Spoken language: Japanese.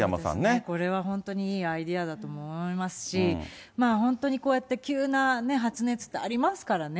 これは本当にいいアイデアだと思いますし、本当にこうやって急なね、発熱ってありますからね。